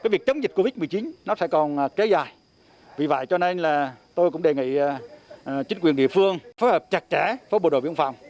việc chống dịch covid một mươi chín sẽ còn kéo dài vì vậy cho nên là tôi cũng đề nghị chính quyền địa phương phối hợp chặt chẽ với bộ đội biên phòng